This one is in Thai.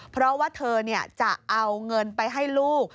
เพราะว่าเธอจะเอาเงินไปให้ลูก